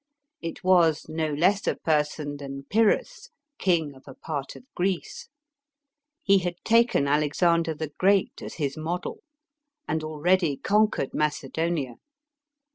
It was no less a person than Pyrrhus, king of a part of Greece. He had taken Alexander the Great as his model, and already conquered Mace donia.